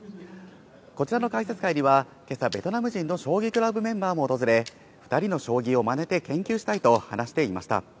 こちらの解説会には、今朝ベトナム人の将棋クラブメンバーも訪れ、２人の将棋をまねて研究したいと話していました。